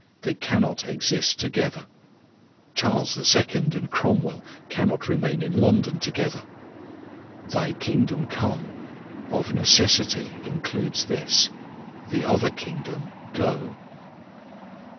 They cannot exist together. Charles II and Cromwell cannot remain in London together. "Thy kingdom come," of necessity includes this, "the other kingdom go."